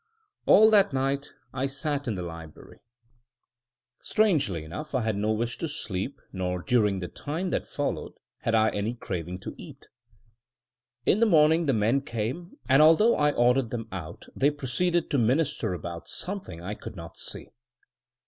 All that night I sat in the library. Strangely enough, I had no wish to sleep nor during the time that followed, had I any craving to eat. In the morning the men came, and although I ordered them out, they proceeded to minister about something I could not see.